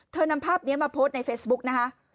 นำภาพนี้มาโพสต์ในเฟซบุ๊กนะคะ